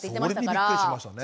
それでびっくりしましたね。